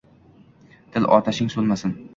Dil otashing so’nmasin.